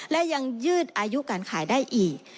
และยังยืดอายุการขายได้อีก